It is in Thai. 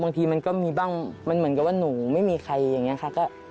บางทีมันก็มีบ้างมันเหมือนกับว่าหนูไม่มีใครอย่างนี้ค่ะ